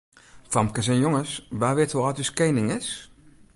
Famkes en jonges, wa wit hoe âld as ús kening is?